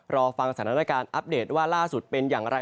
รอฟังสถานการณ์อัปเดตว่าล่าสุดเป็นอย่างไร